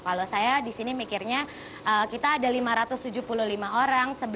kalo saya disini mikirnya kita ada lima ratus tujuh puluh lima orang